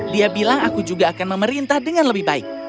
dia bilang aku juga akan memerintah dengan lebih baik